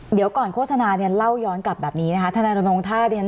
เดี๋ยวก่อนโฆษณาเนี่ยเล่าย้อนกลับแบบนี้นะคะทนายรณรงค์ถ้าเรียน